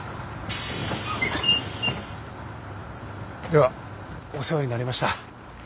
ではお世話になりました。